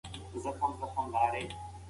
هغه سړی چې مرغۍ یې ویشتلې وه دربار ته حاضر شو.